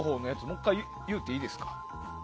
もう１回言うていいですか？